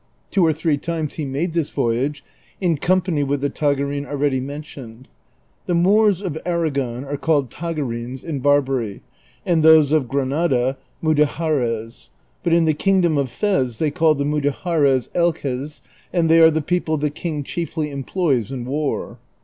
Two or three times he made this vo3'age in com pany with the Tagarin already mentioned. The Moors of Aragon are called Tagarins in Barbary, and those of Granada IMudejares ; but in the Kingdom of Fez thej call the Mudejares Elches, and the}^ are the people the king chiefly employs in war.